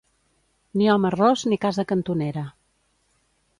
Ni home ros ni casa cantonera.